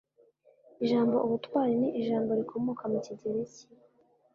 ijambo ubutwari ni ijambo rikomoka mu kigereki